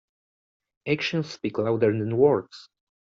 Actions speak louder than words.